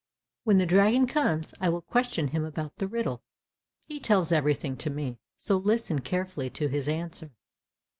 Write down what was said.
When the dragon comes, I will question him about the riddle, he tells everything to me, so listen carefully to his answer."